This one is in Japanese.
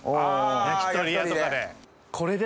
焼き鳥屋とかで。